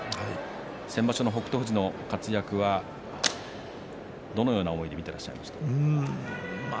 先場所の北勝富士の活躍はどのような思いで見てらっしゃいましたか？